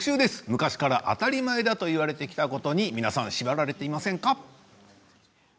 昔から当たり前だと言われてきたことに皆さん縛られていませんか。